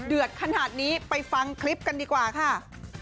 ขนาดนี้ไปฟังคลิปกันดีกว่าค่ะ